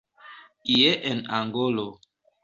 Ie en Angolo.